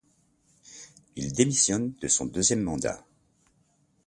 Il démissionne de son deuxième mandat.